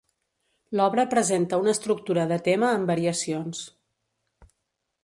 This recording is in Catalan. L'obra presenta una estructura de tema amb variacions.